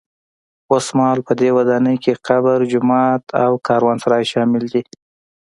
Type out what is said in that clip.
اوسمهال په دې ودانۍ کې قبر، جومات او کاروانسرای شامل دي.